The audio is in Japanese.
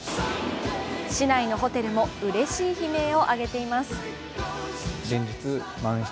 市内のホテルもうれしい悲鳴を上げています。